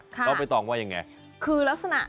สร้างความมหัศจรรย์ใจให้กับผู้ที่พบเห็นเป็นอย่างมาก